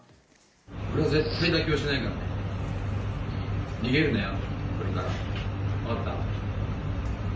俺は絶対妥協しないから、逃げるなよ、分かった？